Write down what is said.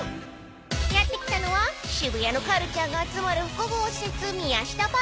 ［やって来たのは渋谷のカルチャーが集まる複合施設］